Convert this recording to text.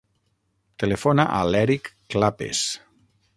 Telefona a l'Èric Clapes.